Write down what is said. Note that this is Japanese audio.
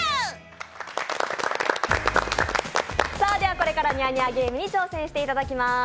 これからニャーニャーゲームに挑戦していただきます。